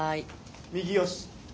右よし！